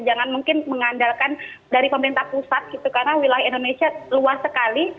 jangan mungkin mengandalkan dari pemerintah pusat gitu karena wilayah indonesia luas sekali